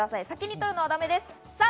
先に取るのはダメです。